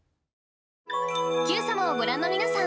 『Ｑさま！！』をご覧の皆さん